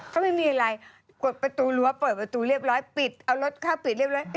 ก็ไม่มีอะไรกดประตูรั้วเปิดประตูเรียบร้อยปิดเอารถเข้าปิดเรียบร้อย